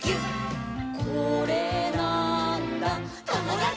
「これなーんだ『ともだち！』」